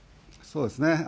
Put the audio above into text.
そうですね。